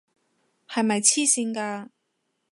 係咪癡線㗎？